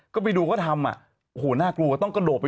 ก็ไปดูก็ทำอ่ะโหหน้ากลูกก็ต้องกระโดบไป